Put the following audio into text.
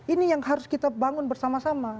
ini yang harus kita bangun bersama sama